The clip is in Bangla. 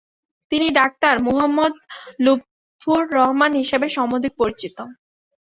তিনি 'ডাক্তার মোহাম্মদ লুৎফর রহমান' হিসেবে সমধিক পরিচিত।